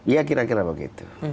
ya kira kira begitu